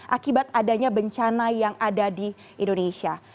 akibat adanya bencana yang ada di indonesia